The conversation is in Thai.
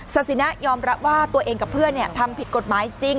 ศสินะยอมรับว่าตัวเองกับเพื่อนทำผิดกฎหมายจริง